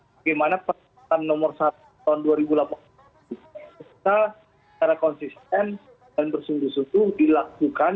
bagaimana peraturan nomor satu tahun dua ribu delapan belas kita secara konsisten dan bersungguh sungguh dilakukan